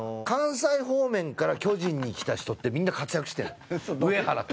関西方面から巨人に来た人ってみんな活躍してるの。